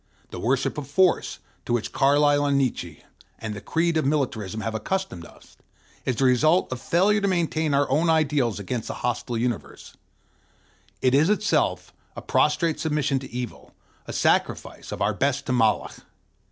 The worship of Force, to which Carlyle and Nietzsche and the creed of Militarism have accustomed us, is the result of failure to maintain our own ideals against a hostile universe: it is itself a prostrate submission to evil, a sacrifice of our best to Moloch.